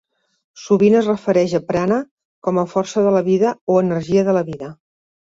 Sovint es refereixen a Prana com a "força de la vida" o "energia de la vida".